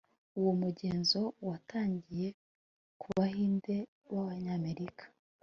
Uwo mugenzo watangiriye ku Bahinde bAbanyamerika